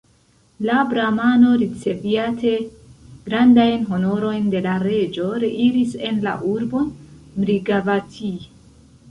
La bramano, riceviate grandajn honorojn de la reĝo, reiris en la urbon Mrigavati.